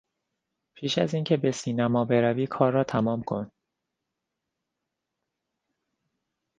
پیش از اینکه به سینما بروی کار را تمام کن.